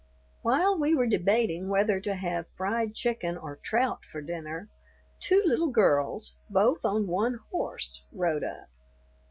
While we were debating whether to have fried chicken or trout for dinner, two little girls, both on one horse, rode up.